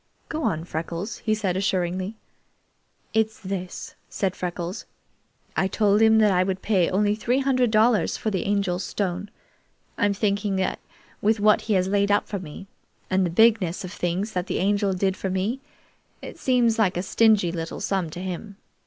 "Go on, Freckles," he said assuringly. "It's this," said Freckles. "I told him that I would pay only three hundred dollars for the Angel's stone. I'm thinking that with what he has laid up for me, and the bigness of things that the Angel did for me, it seems like a stingy little sum to him.